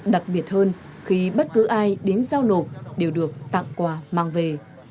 đặc biệt hơn khi bất cứ ai đến giao nộp đều được tặng quà mang về